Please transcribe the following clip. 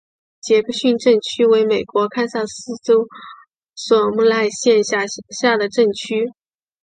杰克逊镇区为美国堪萨斯州索姆奈县辖下的镇区。